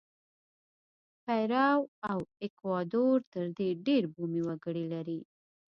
پیرو او ایکوادور تر دې ډېر بومي وګړي لري.